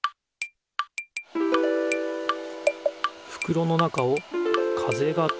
ふくろの中を風が通る。